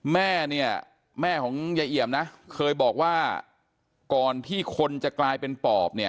แม่เนี่ยแม่ของยายเอี่ยมนะเคยบอกว่าก่อนที่คนจะกลายเป็นปอบเนี่ย